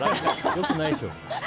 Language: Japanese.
良くないでしょ。